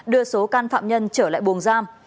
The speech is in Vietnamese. đưa số can phạm nhân trở lại buồng giam